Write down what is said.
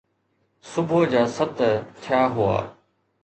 صبح جا ست ٿيا هئا.